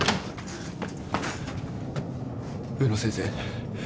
植野先生。